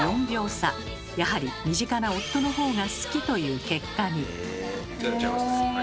やはり身近な夫の方が好きという結果に。